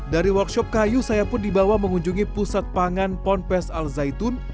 dari workshop kayu saya pun dibawa mengunjungi pusat pangan ponpes al zaitun